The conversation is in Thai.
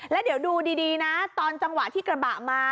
แล้วเดี๋ยวดูดีนะตอนจังหวะที่กระบะมา